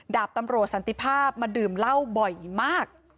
ดาบตำรวจสันติภาพมาดื่มเหล้าบ่อยมาก